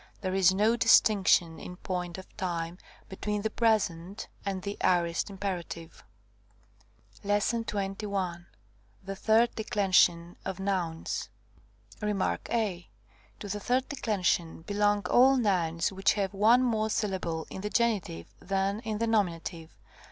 There is no distinction in point of time between the present ani the aorist imperative. § 21. The third declension of nouns. Rem. a. To the third declension belong all nouns which have one more syllable in the genitive than in the nominative.